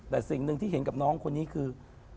แต่สิ่งหนึ่งที่เห็นกับน้องคนนี้คือ